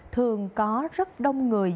thường có rất đông người dân